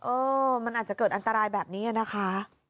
เออมันอาจจะเกิดอันตรายแบบนี้นะคะ